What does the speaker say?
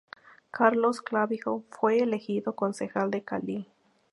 Carlos Clavijo fue elegido Concejal de cali